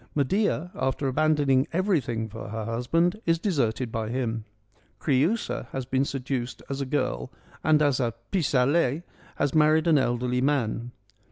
Medea after abandoning everything for her husband is deserted by him. Creiisa has been seduced as a girl and as a ' pis aller ' has married an elderly man.